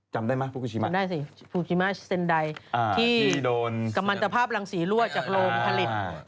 จำได้มั้ยภูกษีมะจำได้สิภูกษีมะเซ็นไดที่โดนกรรมันตภาพหลังสีรั่วจากโรงผลิต